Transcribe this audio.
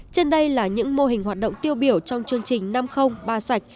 trên đây là những mô hình hoạt động tiêu biểu trong chương trình năm trăm linh ba sạch